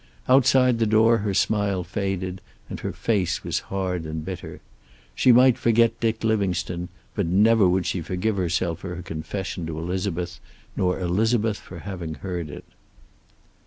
Outside the door her smile faded, and her face was hard and bitter. She might forget Dick Livingstone, but never would she forgive herself for her confession to Elizabeth, nor Elizabeth for having heard it.